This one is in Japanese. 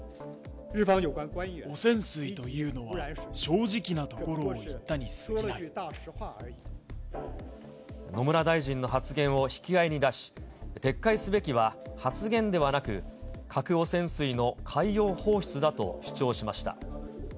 汚染水というのは正直なとこ野村大臣の発言を引き合いに出し、撤回すべきは発言ではなく、核汚染水の海洋放出だと主張しました。